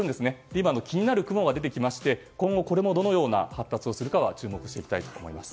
今、気になる雲が出てきまして今後、これもどのような発達をするかは注目していきたいと思います。